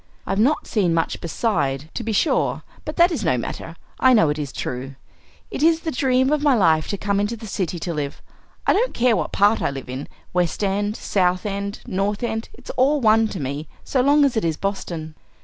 "I've not seen much beside, to be sure, but that is no matter; I know it is true. It is the dream of my life to come into the city to live. I don't care what part I live in, West End, South End, North End; it's all one to me, so long as it is Boston!"